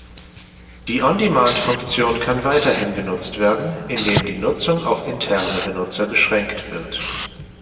Die On-Demand-Funktion kann weiterhin genutzt werden, indem die Nutzung auf interne Benutzer beschränkt wird.